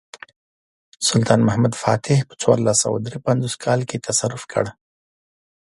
سلطان محمد فاتح په څوارلس سوه درې پنځوس کال کې تصرف کړ.